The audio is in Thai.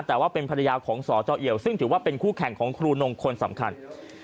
แต่ว่าเป็นภรรยาของสจเอียวซึ่งถือว่าเป็นคู่แข่งของครูนงคนสำคัญ